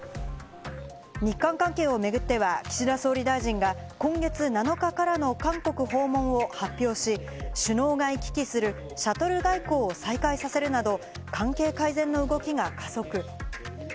日韓関係をめぐっては岸田総理大臣が今月７日からの韓国訪問を発表し、首脳が行き来するシャトル外交を再開させるなど関係改善の動きが加速。